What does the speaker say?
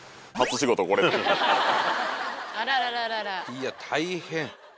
いや大変。